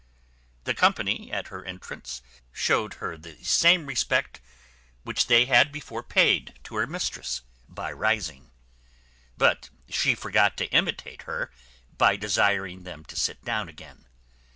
The company, at her entrance, shewed her the same respect which they had before paid to her mistress, by rising; but she forgot to imitate her, by desiring them to sit down again.